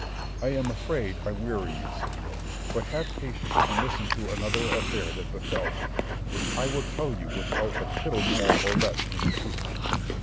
I am afraid I weary you, Scipio, but have patience and listen to another affair that befel him, which I will tell you without a tittle more or less than the truth.